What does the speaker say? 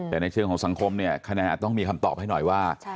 แต่ในเชิงของสังคมเนี่ยคะแนนอาจต้องมีคำตอบให้หน่อยว่า